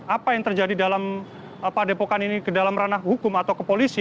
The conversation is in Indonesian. apa yang terjadi dalam padepokan ini ke dalam ranah hukum atau ke polisi